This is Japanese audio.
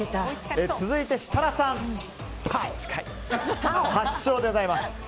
続いて設楽さん８勝でございます。